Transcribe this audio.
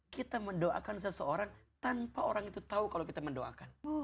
kita mendoakan seseorang tanpa orang itu tahu kalau kita mendoakan